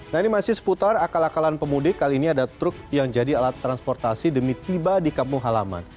nah ini masih seputar akal akalan pemudik kali ini ada truk yang jadi alat transportasi demi tiba di kampung halaman